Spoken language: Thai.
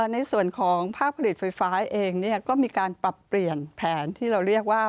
ในส่วนของภาคผลิตไฟฟ้าเองก็มีการปรับเปลี่ยนแผนที่เราเรียกว่า